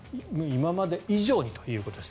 今まで以上にということです。